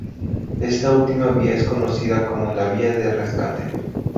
Esta última vía es conocida como la vía de rescate.